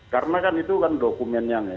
karena kan itu kan dokumennya